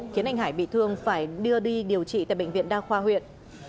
khiến anh hải bị thương phải đưa đi điều trị tại bệnh viện đa khoa huyện